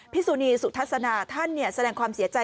สุนีสุทัศนาท่านแสดงความเสียใจ